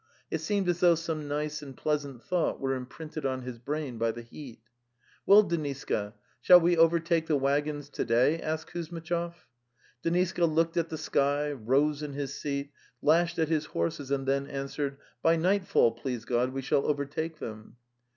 It seemed as though some nice and pleasant thought were imprinted on his brain by the heat. ... "Well, Deniska, shall we overtake the waggons to day?" asked Kuzmitchov. Deniska looked at the sky, rose in his seat, lashed at his horses and then answered: 'By nightfall, please God, we shall overtake them."